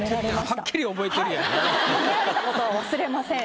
はっきり覚えてるやん。